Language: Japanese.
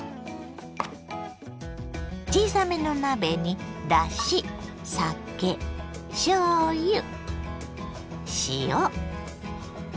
小さめの鍋にだし酒しょうゆ塩